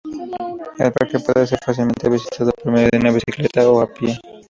El parque puede ser fácilmente visitado por medio de una bicicleta o a pie.